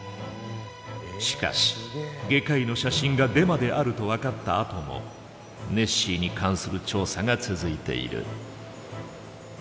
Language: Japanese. しかし「外科医の写真」がデマであると分かったあともネッシーに関する調査が続いている。